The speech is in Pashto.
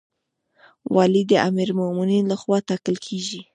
والی د امیرالمؤمنین لخوا ټاکل کیږي